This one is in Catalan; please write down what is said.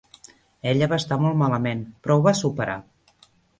Ella va estar molt malament, però ho va superar.